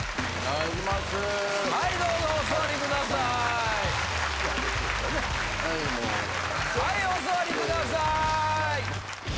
はいお座りください。